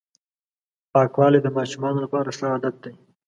پاکوالی د ماشومانو لپاره ښه عادت دی.